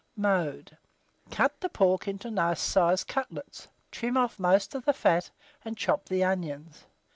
Mode. Cut the pork into nice sized cutlets, trim off most of the fat, and chop the onions.